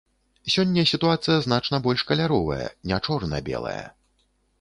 Сёння сітуацыя значна больш каляровая, не чорна-белая.